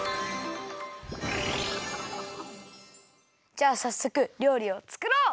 じゃあさっそくりょうりをつくろう！